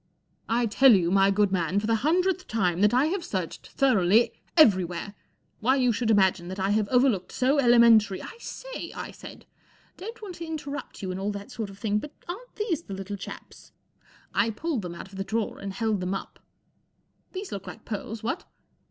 fl I tell you, my good man, for the hun¬ dredth time, that I have searched thoroughly —everywhere. Why you should imagine that I have overlooked so elementary —■" 1 I say/ 1 I said* " don't want to interrupt you and all that sort of thing* but aren't these the little chEips ?/* UNIVERSITY OF MICHIGAN 342 Aunt Agatha Takes the Count I pulled them out of the drawer and held them up, " These look like pearls, what